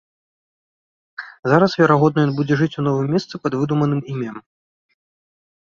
Зараз, верагодна, ён будзе жыць у новым месцы пад выдуманым імем.